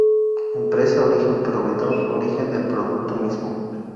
Empresa Origen: proveedor origen del producto mismo.